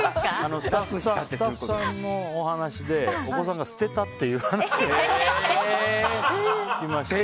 スタッフさんのお話でお子さんが捨てたっていう話を聞きまして。